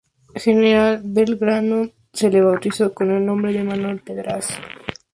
General Belgrano, se la bautizó con el nombre de Manuela Pedraza.